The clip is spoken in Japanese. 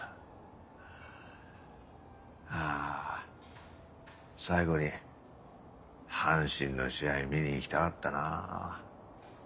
あ最後に阪神の試合見に行きたかったなぁ。